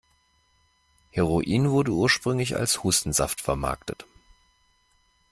Heroin wurde ursprünglich als Hustensaft vermarktet.